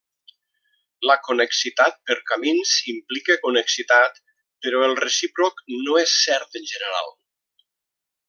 La connexitat per camins implica connexitat, però el recíproc no és cert en general.